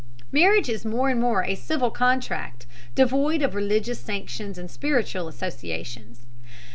Marriage is more and more a civil contract, devoid of religious sanctions and spiritual associations.